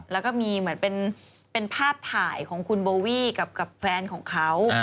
แล้วก็มีเหมือนเป็นภาพถ่ายของคุณโบวี่กับแฟนของเขา